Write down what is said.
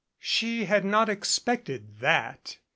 She had not expected that.